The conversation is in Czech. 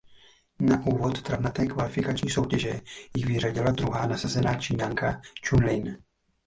Na úvod travnaté kvalifikační soutěže ji vyřadila druhá nasazená Číňanka Ču Lin.